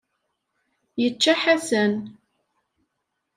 Yečča Ḥasan.